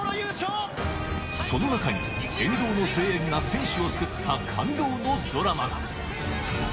その中に、沿道の声援が選手を救った感動のドラマが。